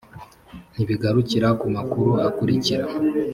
ntibigarukira ku makuru akurikira